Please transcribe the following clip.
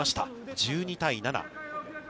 １２対７。